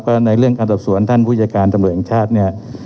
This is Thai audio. ก็ในเรื่องการสอบสวนท่านผู้จัดการตำรวจแห่งชาติเนี่ย